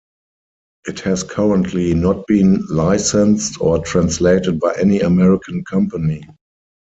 It has currently not been licensed or translated by any American company.